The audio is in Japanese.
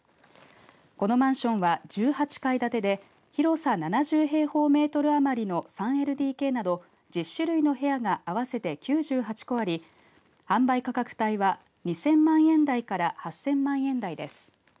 このマンションは１８階建てで広さ７０平方メートル余りの３ＬＤＫなど１０種類の部屋が合わせて９８戸あり販売価格帯は２０００万円台から８０００万円台です。